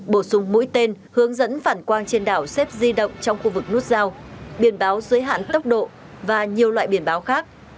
bổ sung mũi tên hướng dẫn phản quang trên đảo xếp di động trong khu vực nút giao biển báo giới hạn tốc độ và nhiều loại biển báo khác